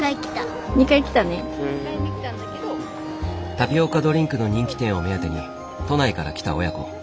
タピオカドリンクの人気店を目当てに都内から来た親子。